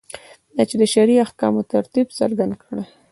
دا چې شرعي احکامو ترتیب څرګند کړي.